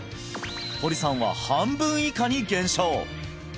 堀さんは半分以下に減少